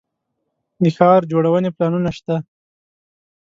د ښار جوړونې پلانونه شته